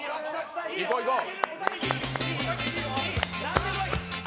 いこう、いこう。